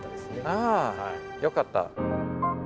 ああよかった。